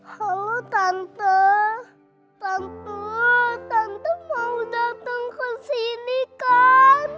halo tante tante tante mau dateng kesini kan